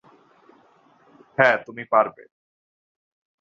হ্যা, তুমি পারবে।